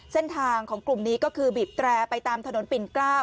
เส้นทางของกลุ่มนี้ก็คือบีบแตรไปตามถนนปิ่นเกล้า